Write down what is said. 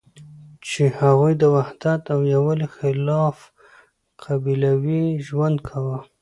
چی هغوی د وحدت او یوالی خلاف قبیلوی ژوند کاوه